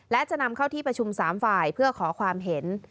และจะนำเข้าที่ประชุม๓ฝ่ายเพื่อขอความเห็น